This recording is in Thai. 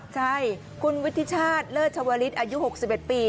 ใช่คุณวิทธิชาติเลิศชวลิศอายุ๖๑ปี